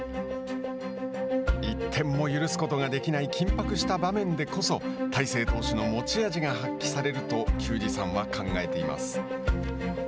１点も許すことができない緊迫した場面でこそ大勢投手の持ち味が発揮されると球児さんは考えています。